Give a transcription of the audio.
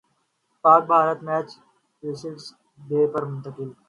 پاک Bharat match reserve day پر منتقل